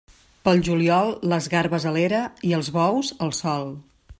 Pel juliol, les garbes a l'era i els bous al sol.